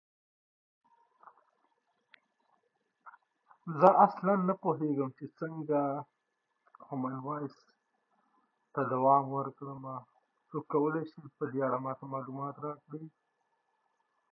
باور ساتنه د هر ملت لپاره مهمه ده.